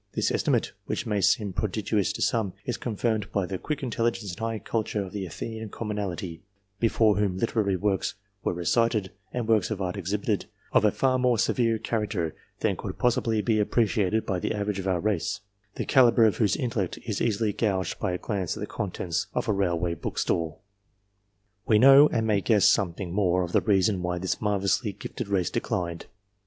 This estimate, which may seem prodigious to some, is confirmed by the quick intelligence and high culture of the Athenian commonalty, before whom literary works were recited and works of art exhibited, of a far more severe character than could possibly be appreciated by OF DIFFERENT RACES 331 the average of our race, the calibre of whose intellect is easily gauged by a glance at the contents of a railway book stall. We know, and may guess something more, of the reason why this marvellously gifted race declined.